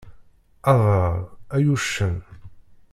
Adrar, ay uccen!